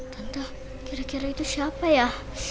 tante kira kira itu siapa ya